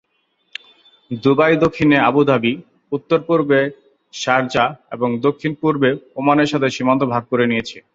Dubai দক্ষিণে Abu Dhabi, উত্তর-পূর্বে Sharjah এবং দক্ষিণ-পূর্বে ওমানের সাথে সীমান্ত ভাগ করে নিয়েছে।